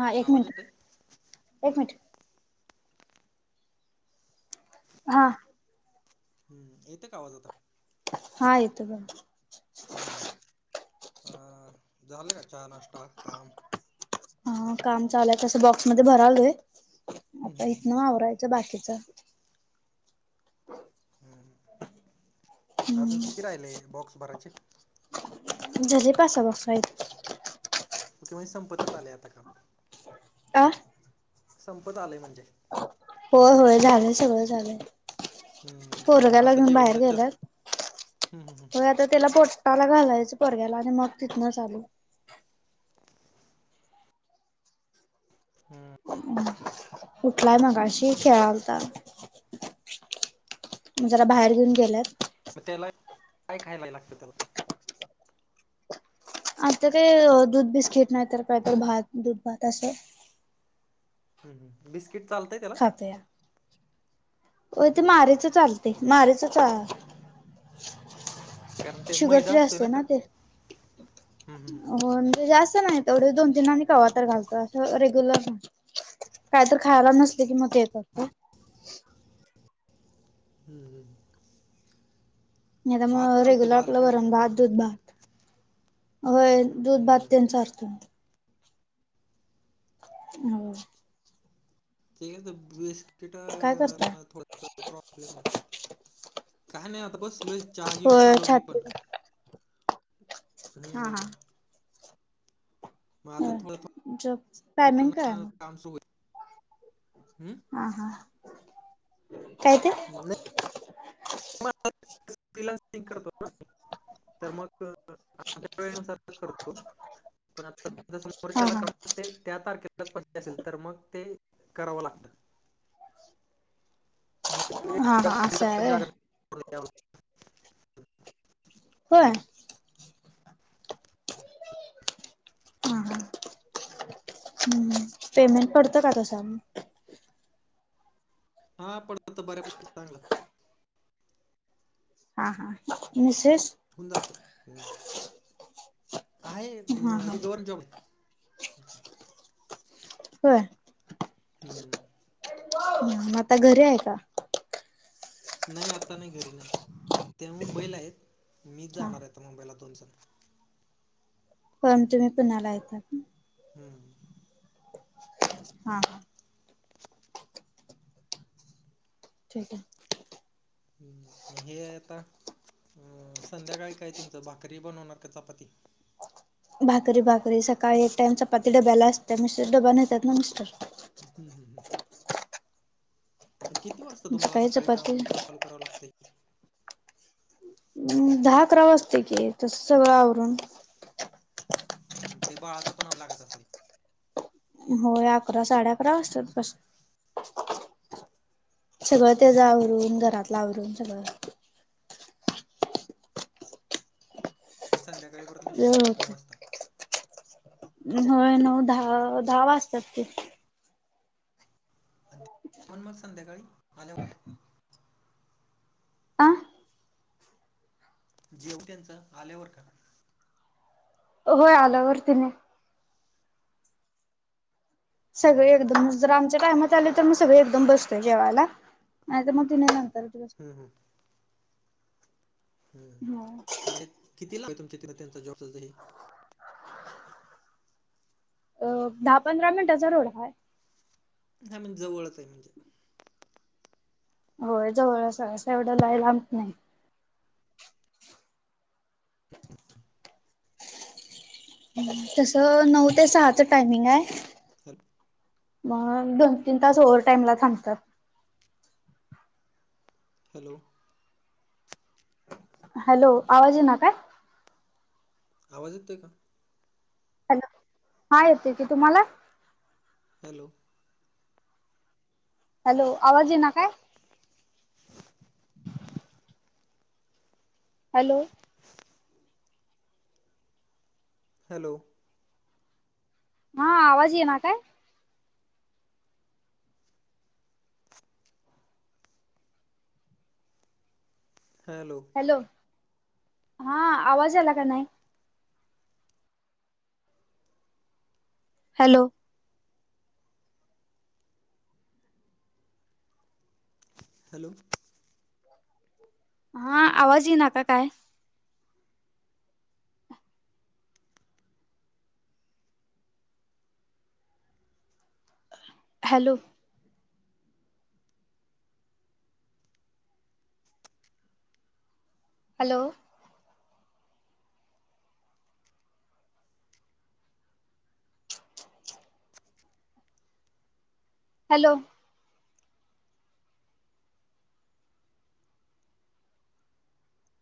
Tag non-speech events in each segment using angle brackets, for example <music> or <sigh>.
हा एक आवाज मिनट येतोय एक मिनट. हा. हम्म येत का आवाज आता? हा येतं बघ. हम्म अ झाले का चहा नाष्टा काम? हा काम चालू हाय तस बॉक्स मध्ये भरालोय आता हम्म इथन आवरायचं. च बाकीच. अजून हम्म किती राहिले बॉक्स भरायचे? झाले पाच सहा बॉक्स राहिले. <unintelligible> संपतच आलय आता काम. आ? संपत आलय म्हणजे. होय होय झालंय सगळं झालंय. हम्म मग पोरगाला आता घेऊन बाहेर जेवणाच्यात गेल्यात हम्म हम्म होय आता त्याला पोट त्याला घालायचं पोरग्याला आणि मग तिथनं चालू. हम्म. उठलाय मगाशी खेळालता. जरा बाहेर घेऊन गेलेत मग त्याला काय खायला लागतं त्याला? आता काय दूध बिस्किट नाही तर काही तर भात दूध भात असं. हम्म हम्म बिस्किट चालतंय त्याला? खातोया होय ते मारीच चालते मारीच चा कारण ते शुगर मैदा फ्री असतोय असते ना ते त्यात हम्म हम्म म्हणजे जास्त नाही. तेवढे दोन तीन आम्ही कवातार घालतो असं रेग्युलर नाय काही तर खायला नसले कि मग ते येत <unintelligible> हम्म हम्म. नाहीतर भात मग चालतोय रेग्युलर भाला आपलं काय होत वरण नाही भात दूध भात होय दूध भात हम्म त्याचा असतो. <inaudible> ठीक आहे बिस्किट काय करताय? थोडा प्रॉब्लेम आहे. काय नाही आता बसलो चहा घेऊन होय आलो मी छाती पण. हो. हा हा. मग आता जॉब थोडंं टायमिंग काय आहे मग? <unintelligible> काम सुरू आहे हम्म. हा हा. नाही <inaudible> <inaudible> वेळेनुसार करतो पण आता हा समोरच्याला हा काम मग ते त्या तारखेलाच पाहिजे असेल तर मग ते करावं लागतं. मग ते हा हा अस रात्रीचं हाय पण व्हय. <inaudible> व्हय. हा हा पेमेंट पडतं का तस मग? हा पडत तर बऱ्यापैकी चांगला. हा हा मिसेस? होऊन जात. हम्म आहे हा ती हा अह गवर जॉब आहे. <inaudible> व्हय. हम्म. हम्म आता घरी आहे का? नाही आता नाही घरी नाहीत. ते मुंबईला आहेत मी हा जाणार आहेता मुंबईला दोन दिवसात. पण तुम्ही पुण्याला आहे का? हम्म. हा. ठीकये. हम्म म हे आता अह संध्याकाळी काय तुमचं भाकरी बनवणार का चपाती? भाकरी भाकरी सकाळी एक टाइम चपाती डब्याला असते, मिस्टर डबा नेतात ना मिस्टर. हम्म हम्म हम्म. किती वाजता तुम्हाला सकाळी कामं चालू करावं लागतंय? अह दहा अकरा वाजतयं की तस सगळं आवरून हम्म ते बाळाचं पण आवराव लागत असेल. होय अकरा साडे अकरा वाजतात तश्या सगळं हम्म. त्याचं आवरून, घरातलं आवरून सगळं आणि संध्याकाळी परत मिस्टर वेळ येतात नऊ होते वाजता. होय नऊ दहा अह दहा वाजतात ते <unintelligible> मग संध्याकाळी आल्यावर आ जेव त्यांचा आल्यावर का? होय आल्यावर त्यांनी हम्म सगळे हम्म एकदमच जर आमच्या टायमात आले, तर मग सगळे एकदम बसतोय जेवायला. नाही तर मग तेनी नंतरच बसते. हम्म हम्म, हम्म कारण किती लावे तुमच्या तिथ त्यांचा जॉबचाच जे हे <unintelligible> <unintelligible> <unintelligible> अ दहा पंधरा मिनिटाचा रोड हाय. हां म्हणजे जवळच आहे म्हणजे होय जवळंच हाय असं एवढं लाय लांब नाही. अह तसं नऊ ते सहाच टायमिंग हाय. हेल्प. मग दोन तीन तासं ओव्हर टाईमला थांबतात. हॅलो. हॅलो आवाज यिना काय? आवाज येतोय का? हॅलो. हा येतोय की तुम्हाला? हॅलो. हॅलो आवाज यीना काय? <unintelligible> हॅलो. हॅलो. हा आवाज यीना काय? हॅॅलो. हॅलो हा आवाज आला का नाय? हॅलो. हॅलो. हा आवाज यीना का काय? Hello. Hello. Hello.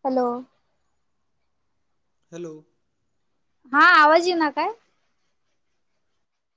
Hello hello हा आवाज यीना काय?